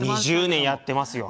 ２０年やってますよ。